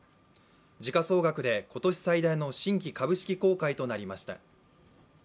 時価総額で今年最大の新規株式公開となりました。